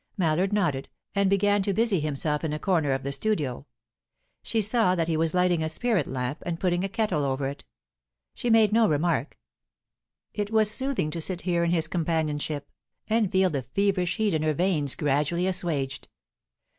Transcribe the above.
Mallard nodded, and began to busy himself in a corner of the studio. She saw that he was lighting a spirit lamp, and putting a kettle over it. She made no remark; it was soothing to sit here in this companionship, and feel the feverish heat in her veins gradually assuaged.